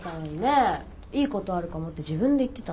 いいことあるかもって自分で言ってたのに。